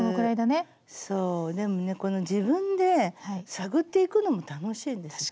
そうでもね自分で探っていくのも楽しいんですよ。